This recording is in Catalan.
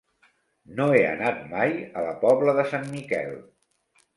No he anat mai a la Pobla de Sant Miquel.